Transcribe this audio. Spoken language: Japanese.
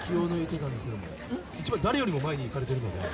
一番誰よりも前に行かれてるので。